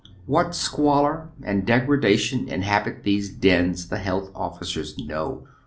What Kqnalor and degradation inhabit these dens the health officers know.